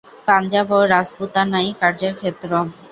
পাঞ্জাব ও রাজপুতানাই কার্যের ক্ষেত্র।